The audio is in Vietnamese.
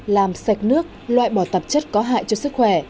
làm sạch nước loại bỏ tạp chất có hại cho sức khỏe